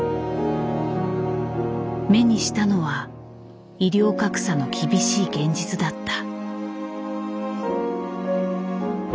目にしたのは医療格差の厳しい現実だった。